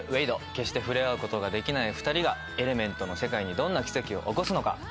決して触れ合うことができない２人がエレメントの世界にどんな奇跡を起こすのか？